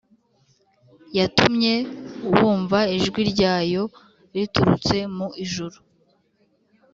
Yatumye wumva ijwi ryayo riturutse mu ijuru